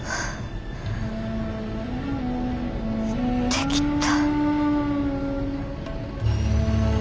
できた。